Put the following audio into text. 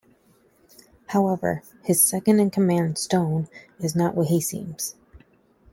However his second in command Stone is not what he seems.